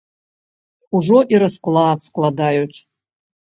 Ужо і расклад складаюць.